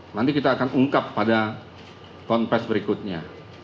nanti kita akan ungkap pada konfes berikutnya